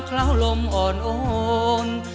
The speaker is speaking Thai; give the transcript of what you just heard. เหล้าลมอ่อนโอน